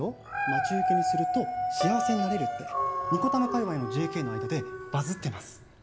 待ち受けにすると幸せになれるって二子玉界隈のＪＫの間でバズってます